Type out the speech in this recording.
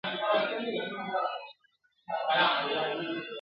بس کلمات وي، شرنګ وي !.